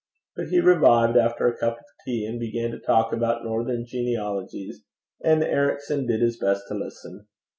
But he revived after a cup of tea, and began to talk about northern genealogies; and Ericson did his best to listen.